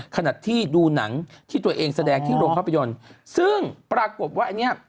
ขณะที่ดูหนังที่ตัวเองแสดงที่โรงภาพยนตร์ซึ่งปรากฏว่าอันนี้